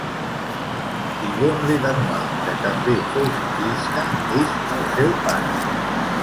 Yvon Ledanois, que també fou ciclista és el seu pare.